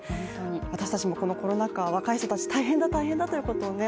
私たちもこのコロナ禍、若い人たち大変だ大変だということをね